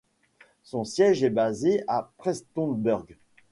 Son siège est basé à Prestonsburg.